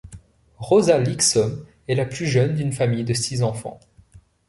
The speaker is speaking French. Rosa Liksom est la plus jeune d'une famille de six enfants.